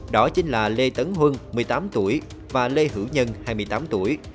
đó chính là lê tấn huân một mươi tám tuổi và lê hữu nhân hai mươi tám tuổi